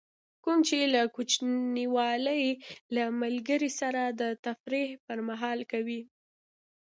کوم چې له کوچنیوالي له ملګري سره د تفریح پر مهال کوئ.